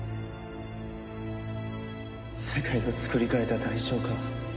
世界をつくり変えた代償か。